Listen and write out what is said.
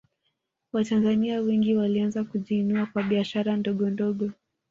watanzania wengi walianza kujiinua kwa biashara ndogondogo